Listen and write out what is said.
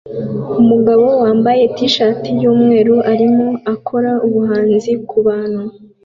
Umugabo wambaye t-shirt yumweru arimo akora ubuhanzi kubantu